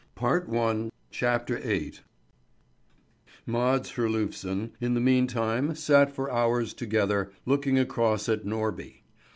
CHAPTER VIII MADS HERLUFSEN in the meantime sat for hours together looking across at Norby.